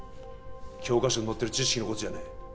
教科書に載ってる知識のことじゃねえ